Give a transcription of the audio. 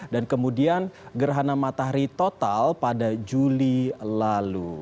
dan kemudian gerhana matahari total pada juli lalu